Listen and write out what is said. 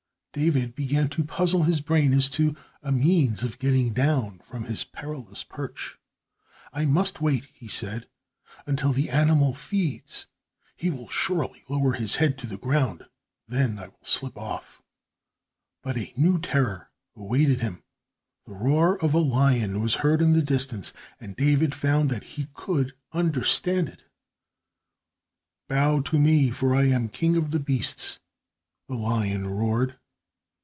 David began to puzzle his brain as to a means of getting down from his perilous perch. "I must wait," he said, "until the animal feeds. He will surely lower his head to the ground then and I will slip off." But a new terror awaited him. The roar of a lion was heard in the distance, and David found that he could understand it. "Bow to me, for I am king of the beasts," the lion roared.